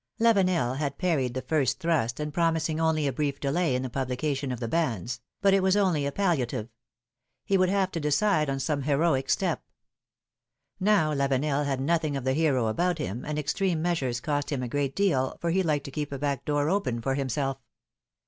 AVENEL had parried the first thrust, in promising J— ^ only a brief delay in the publication of the banns ; but it was only a palliative : he would have to decide on some heroic step. Now Lavenel had nothing of the hero about him, and extreme measures cost him a great deal, for he liked to keep a back door open for himself.